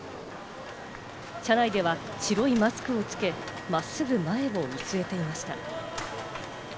車内では白いマスクを着け、真っすぐ前を見据えていました。